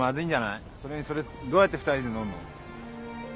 それにそれどうやって二人で乗るの？